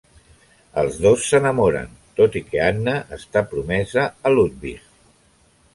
Els dos s'enamoren tot i que Anna està promesa a Ludwig.